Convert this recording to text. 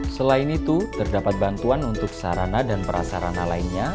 selain itu terdapat bantuan untuk sarana dan prasarana lainnya